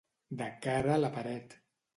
De cara a la paret.